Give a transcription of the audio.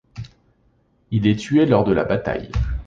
Il est tué lors de la bataille.